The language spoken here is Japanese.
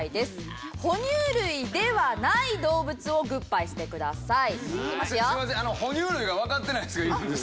哺乳類ではない動物をグッバイしてください。